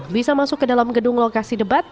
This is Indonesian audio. bisa masuk ke dalam gedung lokasi debat